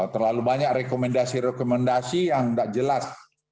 terlalu banyak rekomendasi rekomendasi yang tidak jelas